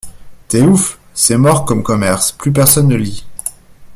T’es ouf, c’est mort comme commerce, plus personne ne lit